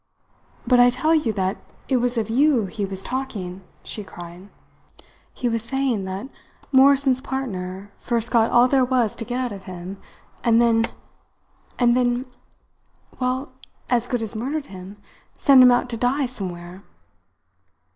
"But I tell you that it was of you he was talking!" she cried. "He was saying that Morrison's partner first got all there was to get out of him, and then, and then well, as good as murdered him sent him out to die somewhere!"